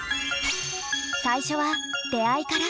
最初は出会いから。